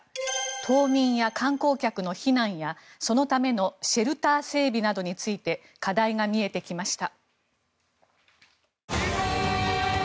島民や観光客の避難やそのためのシェルター整備などについて課題が見えてきました。